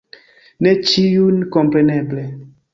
Ne ĉiujn, kompreneble.